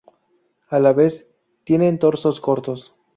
A la vez, tienen torsos cortos.